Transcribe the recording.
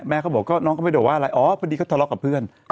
แม่ก็บอกว่าน้องเขาไม่รู้ว่าอะไรอ๋อพอดีก็ทะเลาะกับเพื่อน